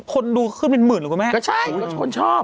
คนดูขึ้นเป็นหมื่นหรือคุณแม่ก็ใช่ก็ชนชอบ